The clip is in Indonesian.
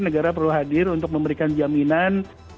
negara perlu hadir untuk memberikan jaminan